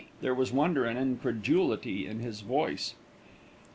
There was wonder and incredulity in his voice.